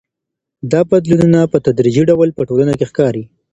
دا بدلونونه په تدريجي ډول په ټولنه کي ښکاري.